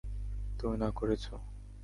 তুমি না করেছো।